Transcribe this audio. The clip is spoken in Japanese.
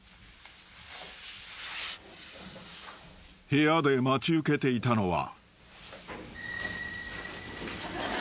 ［部屋で待ち受けていたのは］